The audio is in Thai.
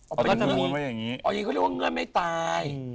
อ๋ออย่างนี้ก็เรียกว่าเงื่อนไม่ตาย